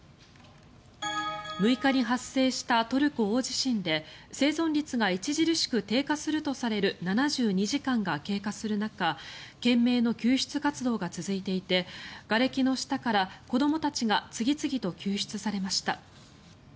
６日に発生したトルコ大地震で生存率が著しく低下するとされる７２時間が経過する中懸命の救出活動が続いていてがれきの下から子どもたちが次々と救出されました。